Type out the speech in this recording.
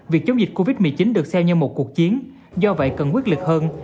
việc chống dịch covid một mươi chín được xem như một cuộc chiến do vậy cần quyết lực hơn